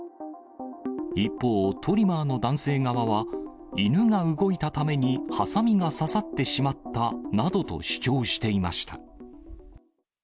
一方、トリマーの男性側は、犬が動いたためにはさみが刺さってしまったなどと主張していました。